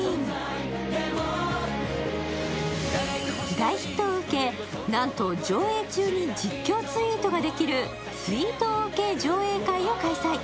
大ヒットを受け、なんと上映中に実況ツイートができるツイートＯＫ上映会を開催。